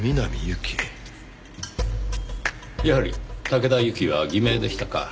やはり竹田ユキは偽名でしたか。